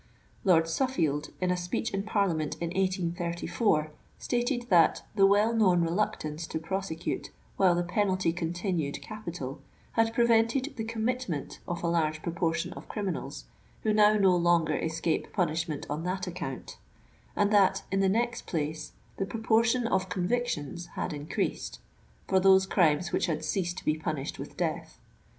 ^^ Lord Suffield, in a speech in Parliament in 1834, stated that the well known reluctance to prosecute while the penalty continued capital, had prevented the commitment of a large pro portion of criminals who now no longer escape punishment on that account ;" and that '* in the next place, the proportion of convictions had increased" for those crimes which had ceased to be punished with death.